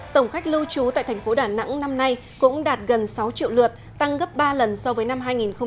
tổng khách lưu trú tại tp đà nẵng năm nay cũng đạt gần sáu lượt tăng gấp ba lần so với năm hai nghìn một mươi năm